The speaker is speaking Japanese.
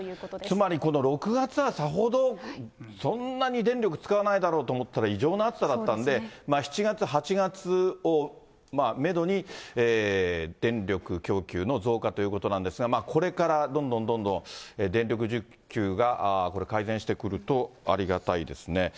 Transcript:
つまりこの６月はさほど、そんなに電力使わないだろうと思ったら、異常な暑さだったんで、７月、８月をメドに、電力供給の増加ということなんですが、これからどんどんどんどん電力需給がこれ、改善してくるとありがたいですね。